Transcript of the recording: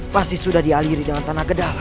pasti sudah dialiri dengan tanah gedang